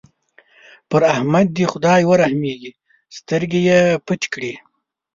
پر احمد دې خدای ورحمېږي؛ سترګې يې پټې کړې.